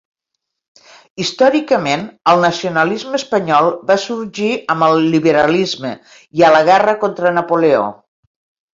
Històricament, el nacionalisme espanyol va sorgir amb el liberalisme i a la guerra contra Napoleó.